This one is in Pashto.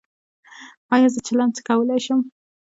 ایا زه چلم څکولی شم؟